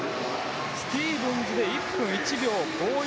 スティーブンズで１分１秒５１。